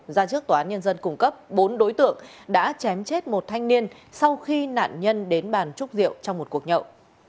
ra trước tòa án nhân dân cung cấp bốn đối tượng đã chém chết một thanh niên sau khi nạn nhân đến bàn trúc rượu trong một cuộc nhậu